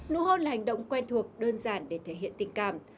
nụ hôn là hành động quen thuộc đơn giản để thể hiện tình cảm